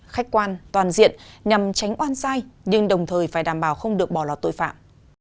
khách quan toàn diện nhằm tránh oan sai nhưng đồng thời phải đảm bảo không được bỏ lọt tội phạm